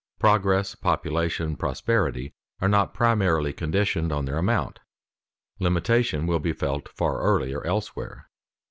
Progress, population, prosperity, are not primarily conditioned on their amount; limitation will be felt far earlier elsewhere.